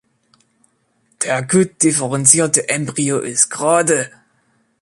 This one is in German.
Der gut differenzierte Embryo ist gerade.